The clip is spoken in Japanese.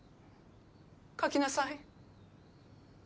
描きなさい。